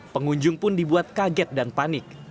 pengunjung pun dibuat kaget dan panik